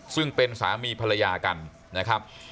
ซึ่งเป็นสามีภรรยากันนะครับ